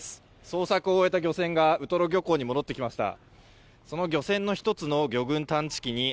捜索を終えた漁船がウトロ漁港に戻ってきました。